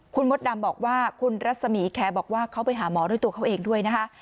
คุณมดดำบอกว่าคุณรัศมีแคร์บอกว่าเขาไปหาหมอด้วยตัวเขาเองด้วยนะคะ